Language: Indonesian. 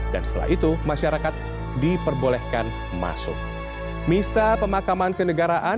dan setelah itu masyarakat diperbolehkan